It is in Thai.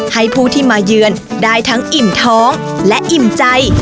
ให้ผู้ที่มาเยือนได้ทั้งอิ่มท้องและอิ่มใจ